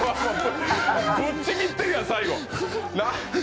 ぶっちぎってるやん、最後。